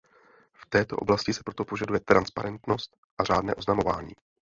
V této oblasti se proto požaduje transparentnost a řádné oznamování.